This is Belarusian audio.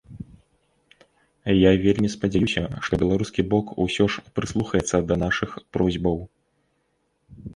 Я вельмі спадзяюся, што беларускі бок усё ж прыслухаецца да нашых просьбаў.